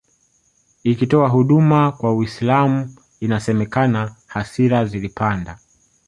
ikitoa huduma kwa Uislam inasemekana hasira zilipanda